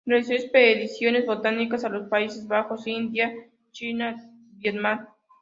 Realizó expediciones botánicas a los Países Bajos, India, China, Vietnam.